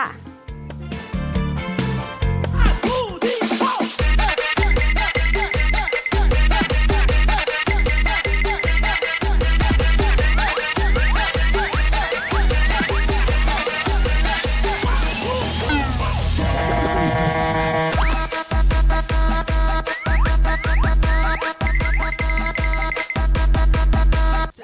ขอบคุณสำหรับการติดตามรับชม